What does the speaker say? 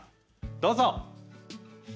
どうぞ！